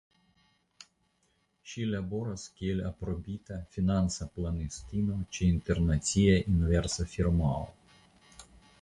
Ŝi laboras kiel Aprobita Financa Planistino ĉe internacia inversa firmao.